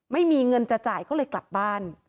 ไม่มีเงินจะจ่ายก็เลยกลับบ้าน